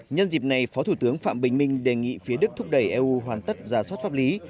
nhân dịp này phó thủ tướng phạm bình minh đề nghị phía đức thúc đẩy eu hoàn tất giả soát pháp lý